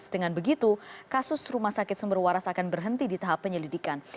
dengan begitu kasus rumah sakit sumber waras akan berhenti di tahap penyelidikan